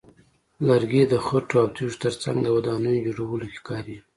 لرګي د خټو او تیږو ترڅنګ د ودانیو جوړولو کې کارېږي.